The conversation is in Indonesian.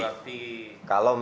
berarti kalau mau